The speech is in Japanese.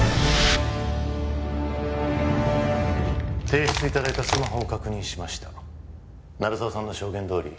提出いただいたスマホを確認しました鳴沢さんの証言どおり